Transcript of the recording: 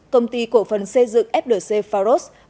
công ty cổ phần xây dựng flc pharos